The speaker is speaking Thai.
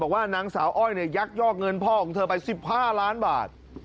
บอกว่านางสาวอ้อยเนี่ยยักยอกเงินพ่อของเธอไป๑๕ล้านบาท